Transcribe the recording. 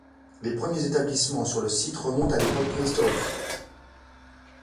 Les premiers établissements sur le site remontent à l'époque préhistorique.